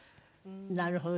なるほど。